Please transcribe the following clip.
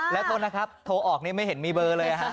และคนนะครับโทรออกไม่เห็นมีเบอร์เลยค่ะ